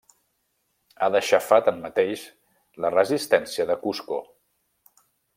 Ha d'aixafar tanmateix la resistència de Cusco.